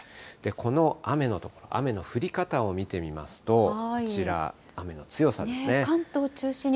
この雨の降り方を見てみますと、こちら、雨の強さですね。